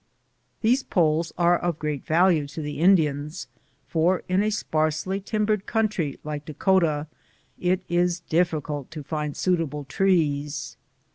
These poles are of great value to the Indians, for in a sparsely timbered country like Dakota it is difficult to find suit able trees.